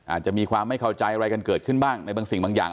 อาจจะมีความไม่เข้าใจอะไรกันเกิดขึ้นบ้างในบางสิ่งบางอย่าง